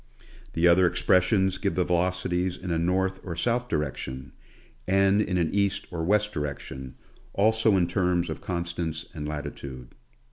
The other expressions give the veloci ties in a north or south direction, and in an east or west direction, also in terms of constants and latitude.